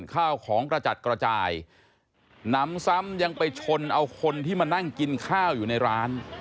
ข้าวของกระจัดกระจายหนำซ้ำยังไปชนเอาคนที่มานั่งกินข้าวอยู่ในร้าน